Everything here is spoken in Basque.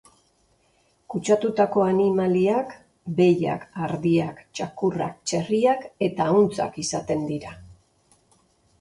Kutsatutako animaliak behiak, ardiak, txakurrak, txerriak eta ahuntzak izaten dira.